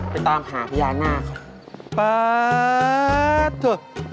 ไปตามหาพี่ยาน่าคน